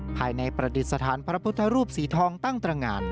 ภายในประดิษฐานพระพุทธรูปสีทองตั้งตรงาน